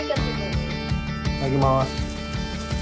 いただきます。